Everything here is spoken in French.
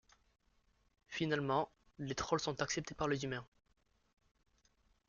Finalement, les trolls sont acceptés par les humains.